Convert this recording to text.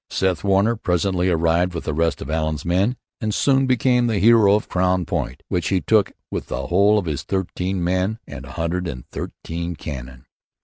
Seth Warner presently arrived with the rest of Allen's men and soon became the hero of Crown Point, which he took with the whole of its thirteen men and a hundred and thirteen cannon.